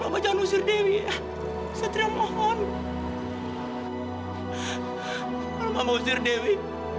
kalau mau usir dewi